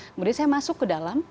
kemudian saya masuk ke dalam